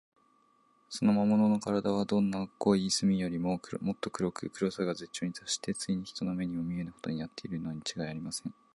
その魔物のからだは、どんな濃い墨よりも、もっと黒く、黒さが絶頂にたっして、ついに人の目にも見えぬほどになっているのにちがいありません。